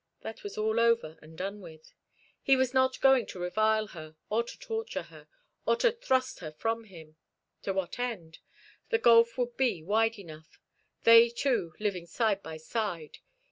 That was all over and done with. He was not going to revile her, or to torture her, or to thrust her from him. To what end? The gulf would be wide enough, they two living side by side.